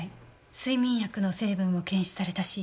睡眠薬の成分も検出されたし